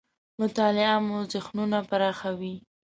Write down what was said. مطالعه مو ذهنونه پراخوي .